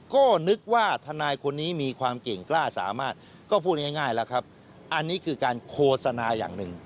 ก็นึกว่าทนายคนนี้มีความเก่งกล้าสามารถก็พูดง่ายแล้วครับอันนี้คือการโฆษณาอย่างหนึ่ง